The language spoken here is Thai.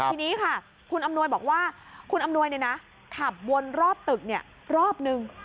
ทีนี้ค่ะคุณอำนวยบอกว่าคุณอำนวยขับวนรอบตึกรอบนึง